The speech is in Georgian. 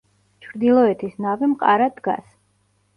ჩრდილოეთის ნავი მყარად დგას.